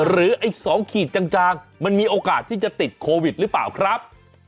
ไอ้๒ขีดจางมันมีโอกาสที่จะติดโควิดหรือเปล่าครับ